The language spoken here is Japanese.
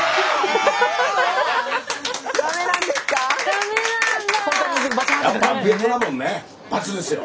ダメなんだ。